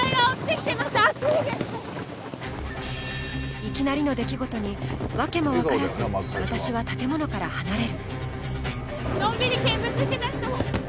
いきなりの出来事にわけも分からず、私は建物から離れる。